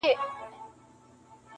o او د ځان سره جنګېږي تل,